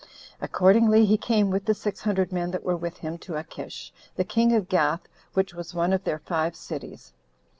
Accordingly, he came with the six hundred men that were with him to Achish, the king of Gath, which was one of their five cities.